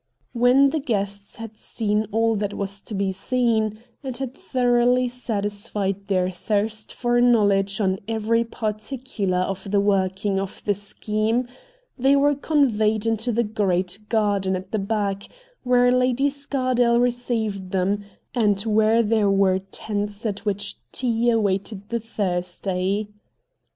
When the guests had seen all that was to be seen, and had thoroughly satisfied their thirst for knowledge on every particular of the working of the scheme, they were conveyed into the great garden at the back, where Lady Scardale received them, and where there were tents at which tea awaited the thirsty.